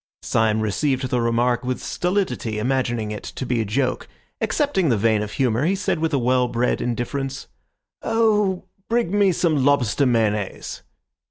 Syme received the remark with stolidity, imagining it to be a joke. Accepting the vein of humour, he said, with a well bred indifference— "Oh, bring me some lobster mayonnaise."